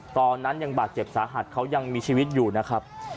ตอนนั้นยังบาดเจ็บสาหัสเขายังมีชีวิตอยู่นะครับ